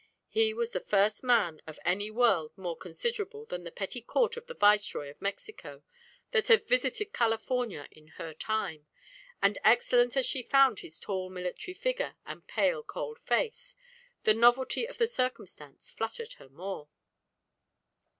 He was the first man of any world more considerable than the petty court of the viceroy of Mexico that had visited California in her time, and excellent as she found his tall military figure and pale cold face, the novelty of the circumstance fluttered her more.